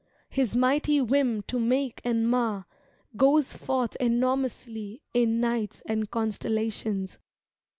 His mighty whim To make and mar, goes forth enormously In nights and constellations.